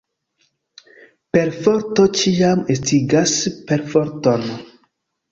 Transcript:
Perforto ĉiam estigas perforton.